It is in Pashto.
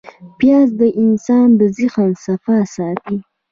پیاز د انسان د ذهن صفا ساتي